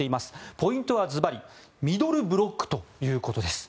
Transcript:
ポイントはずばりミドルブロックということです。